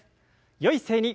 よい姿勢に。